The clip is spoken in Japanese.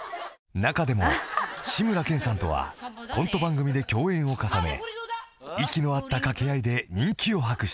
［中でも志村けんさんとはコント番組で共演を重ね息の合った掛け合いで人気を博した］